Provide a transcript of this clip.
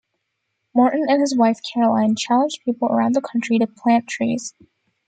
Morton and his wife Caroline challenged people around the country to plant trees.